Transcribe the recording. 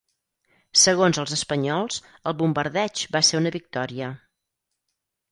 Segons els espanyols, el bombardeig va ser una victòria.